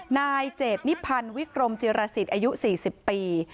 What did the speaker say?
นายเจดนิพันธ์วิกรมจิรสิทธิ์อายุ๔๐ปี